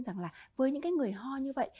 rằng là với những người ho như vậy